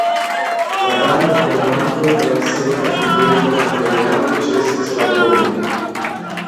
La Damo pro manko da senkapigebla materialo ĉesis labori.